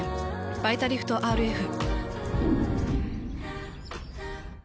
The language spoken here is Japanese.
「バイタリフトＲＦ」。